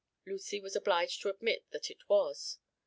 Lucy was obliged to admit that it was.